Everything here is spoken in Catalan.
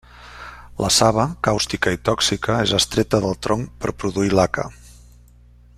La saba, càustica i tòxica, és extreta del tronc per produir laca.